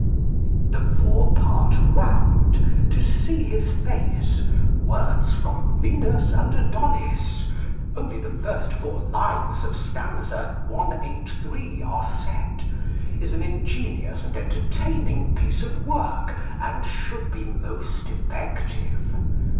The four part round, "To see his face," words from Venus and Adonis (only the first four lines of stanza 183 are set), is an ingenious and entertaining piece of work, and should be most effective.